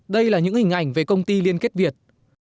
đây là những hình ảnh về công ty liên kết việt